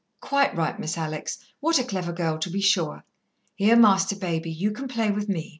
"Quite right, Miss Alex; what a clever girl, to be sure. Here, Master Baby, you can play with me.